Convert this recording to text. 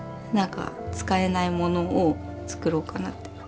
なんか使えないものを作ろうかなって。